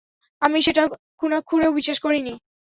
আমি সেটা ঘুনাক্ষুরেও বিশ্বাস করিনি।